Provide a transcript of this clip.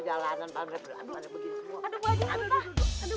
ara ibu aku rebels lagi